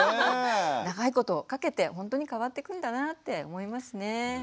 長いことかけてほんとに変わってくんだなぁって思いますね。